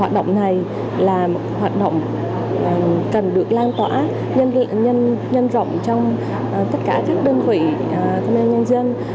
hoạt động này là một hoạt động cần được lan tỏa nhân rộng trong tất cả các đơn vị công an nhân dân